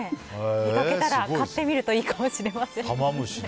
見かけたら買ってみるのもいいかもしれないですね。